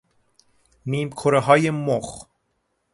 نیمکره های مخ